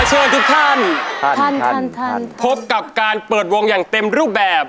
ขอเชิญทุกท่านท่านท่านท่านท่านพบกับการเปิดวงอย่างเต็มรูปแบบ